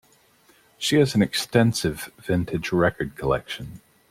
She has an extensive vintage record collection.